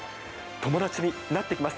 友達になってきます。